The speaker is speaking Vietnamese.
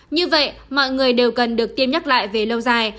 như vậy mọi người đều cần được tiêm nhắc lại về lâu dài